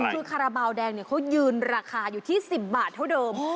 คือคาราบาลแดงเขายืนราคาอยู่ที่๑๐บาทเท่าเดิม